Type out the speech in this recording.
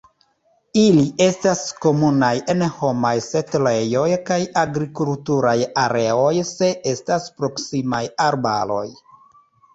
Ili estas komunaj en homaj setlejoj kaj agrikulturaj areoj se estas proksimaj arbaroj.